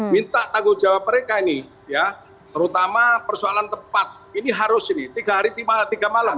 minta tanggung jawab mereka ini ya terutama persoalan tepat ini harus ini tiga hari tiga malam